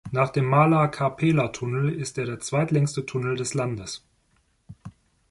Nach dem Mala-Kapela-Tunnel ist er der zweitlängste Tunnel des Landes.